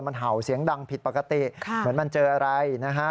มันเห่าเสียงดังผิดปกติเหมือนมันเจออะไรนะฮะ